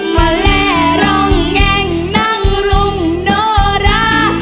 มาแลร้องแหงนั่งรุ่งโนรา